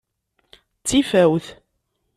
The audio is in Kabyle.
D tifawt.